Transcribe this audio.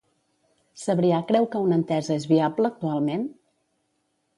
Sabrià creu que una entesa és viable actualment?